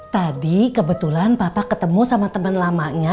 tadi kebetulan papa ketemu sama teman lamanya